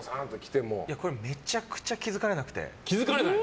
めちゃくちゃ気づかれなくて。